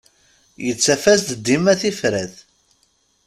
Yettaf-as-d dima tifrat.